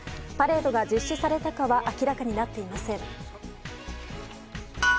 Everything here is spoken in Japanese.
パレードが実施されたかは明らかになっていません。